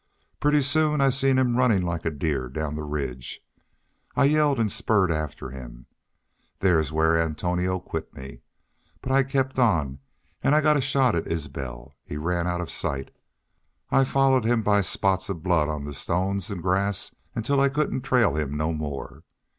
Pretty soon I seen him runnin' like a deer down the ridge. I yelled an' spurred after him. There is where Antonio quit me. But I kept on. An' I got a shot at Isbel. He ran out of sight. I follered him by spots of blood on the stones an' grass until I couldn't trail him no more.